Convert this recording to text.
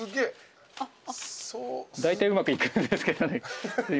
だいたいうまくいくんですけどね。